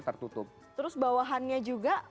tertutup terus bawahannya juga